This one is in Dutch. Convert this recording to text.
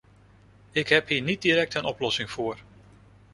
Ik heb hier niet direct een oplossing voor.